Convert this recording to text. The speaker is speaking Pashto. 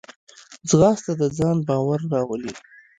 ځغاسته د ځان باور راولي